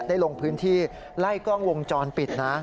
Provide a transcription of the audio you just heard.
ลงพื้นที่ไล่กล้องวงจรปิดนะ